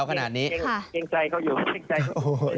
อาจารย์ครับ